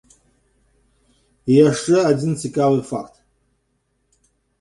І яшчэ адзін цікавы факт.